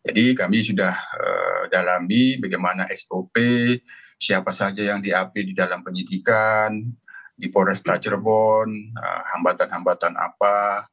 jadi kami sudah dalami bagaimana sop siapa saja yang diapi di dalam penyidikan di polresta cirebon hambatan hambatan apa